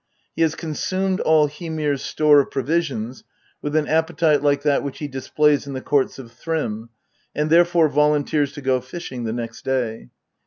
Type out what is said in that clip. He has consumed all Hymir's store of provisions with an appetite like that which he displays in the courts of Thrym, and therefore volunteers to go fishing the next day.